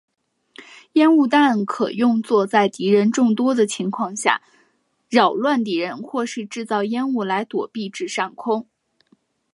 烟雾弹可用作在敌人众多的情况下扰乱敌人或是制造烟雾来躲避至上空。